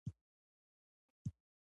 هلک د ژوند سلیقه لري.